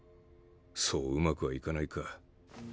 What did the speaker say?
そう上手くはいかないか。